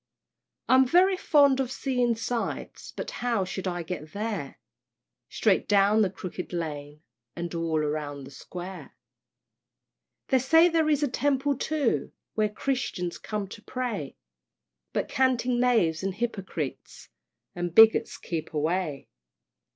I'm very fond of seeing sights, But how shall I get there? "Straight down the Crooked Lane, And all round the Square." They say there is a Temple too, Where Christians come to pray; But canting knaves and hypocrites, And bigots keep away.